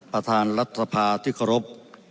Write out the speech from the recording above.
ประธานรัฐสภาที่เคารพ